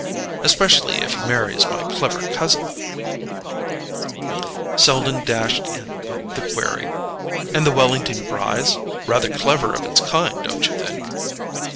Especially if he marries my clever cousin——" Selden dashed in with the query: "And the Wellington Brys'? Rather clever of its kind, don't you think?"